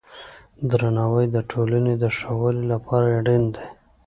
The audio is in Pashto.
درناوی د ټولنې د ښه والي لپاره اړین دی.